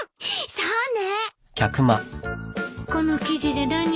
そうね。